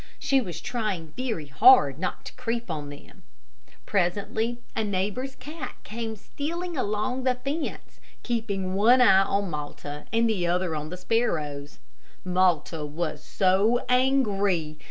She was trying very hard not to creep on them. Presently a neighbor's cat came stealing along the fence, keeping one eye on Malta and the other on the sparrows. Malta was so angry!